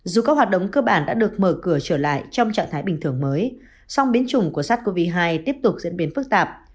dù các hoạt động cơ bản đã được mở cửa trở lại trong trạng thái bình thường mới song biến chủng của sars cov hai tiếp tục diễn biến phức tạp